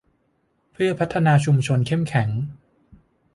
เพื่อพัฒนาชุมชนเข้มแข็ง